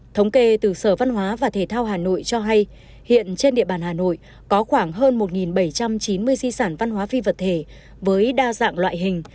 thống kê từ sở văn hóa và thể thao hà nội cho hay hiện trên địa bàn hà nội có khoảng hơn một bảy trăm chín mươi di sản văn hóa phi vật thể với đa dạng loại hình